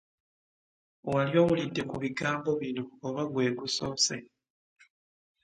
Wali owulidde ku bigambo bino oba gwe gusoose?